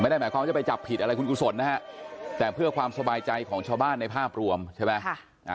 ไม่ได้หมายความว่าจะไปจับผิดอะไรคุณกุศลนะฮะแต่เพื่อความสบายใจของชาวบ้านในภาพรวมใช่ไหม